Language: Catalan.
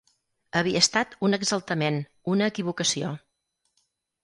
Havia estat un exaltament, una equivocació